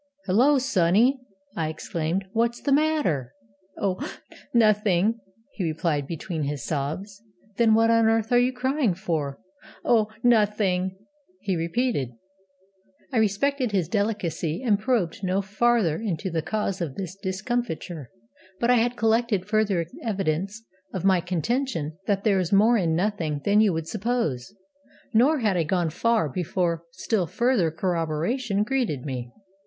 'Hullo, sonny,' I exclaimed,'what's the matter?' 'Oh, nothing!' he replied, between his sobs. 'Then what on earth are you crying for?' 'Oh, nothing!' he repeated. I respected his delicacy, and probed no farther into the cause of his discomfiture, but I had collected further evidence of my contention that there is more in Nothing than you would suppose. Nor had I gone far before still further corroboration greeted me.